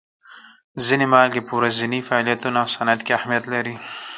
ځینې مالګې په ورځیني فعالیتونو او صنعت کې اهمیت لري.